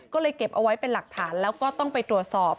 ก็เลยเก็บเอาไว้เป็นหลักฐานแล้วก็ต้องไปตรวจสอบ